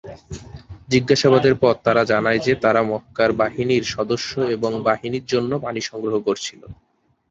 জিজ্ঞাসাবাদের পর তারা জানায় যে তারা মক্কার বাহিনীর সদস্য এবং বাহিনীর জন্য পানি সংগ্রহ করছিল।